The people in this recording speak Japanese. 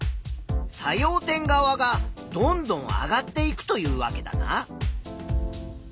作用点側がどんどん上がっていくというわけだな。